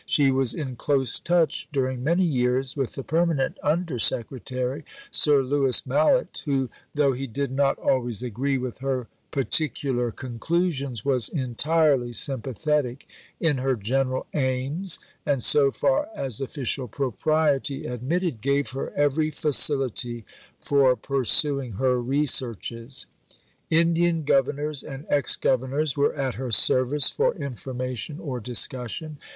She was in close touch during many years with the Permanent Under Secretary, Sir Louis Mallet, who, though he did not always agree with her particular conclusions, was entirely sympathetic in her general aims, and, so far as official propriety admitted, gave her every facility for pursuing her researches. Indian Governors and ex Governors were at her service for information or discussion.